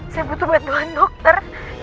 saya butuh bantuan dokter